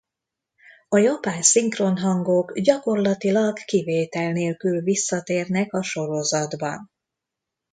A japán szinkronhangok gyakorlatilag kivétel nélkül visszatérnek a sorozatban.